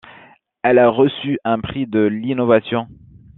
Elle a reçu un prix de l'innovation.